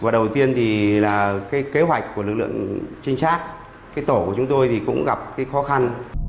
đầu tiên kế hoạch của lực lượng trinh sát tổ của chúng tôi cũng gặp khó khăn